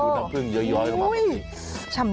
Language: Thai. ดูน้ำผึ้งเยอะขึ้นมา